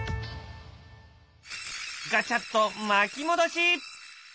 ガチャっと巻き戻し！